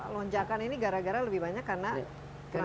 lonjakan ini gara gara lebih banyak karena